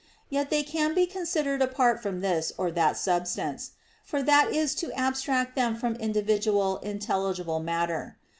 Yet they can be considered apart from this or that substance; for that is to abstract them from individual intelligible matter.